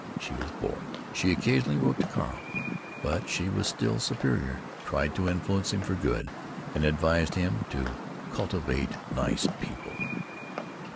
She was bored. She occasionally wrote to Carl. But she was still superior—tried to "influence him for good" and advised him to "cultivate nice people."